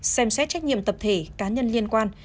xem xét trách nhiệm tập thể cá nhân liên quan